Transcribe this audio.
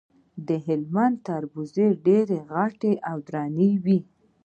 د هلمند تربوز ډیر غټ او دروند وي.